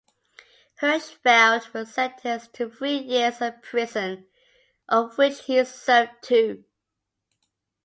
Hirschfeld was sentenced to three years in prison, of which he served two.